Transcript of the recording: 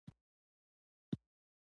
قیدونه د فعل پر کېټګوري اغېز کوي.